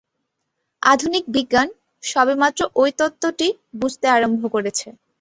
আধুনিক বিজ্ঞান সবেমাত্র ঐ তত্ত্বটি বুঝতে আরম্ভ করেছে।